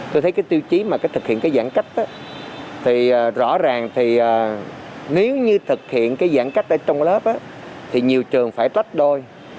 tôi thấy cái tiêu chí mà cái thực hiện cái giãn cách thì rõ ràng thì nếu như thực hiện cái giãn cách ở trong lớp thì nhiều trường phải trách đôi